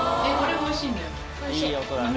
おいしい。